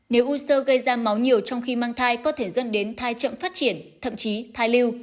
nếu u sơ gây ra máu nhiều trong khi mang thai có thể dẫn đến thai chậm phát triển thậm chí thai lưu